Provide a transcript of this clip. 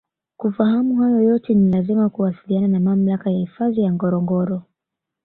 Kufahamu hayo yote ni lazima kuwasiliana na Mamlaka ya Hifadhi ya Ngorongoro